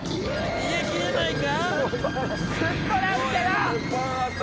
逃げきれないか？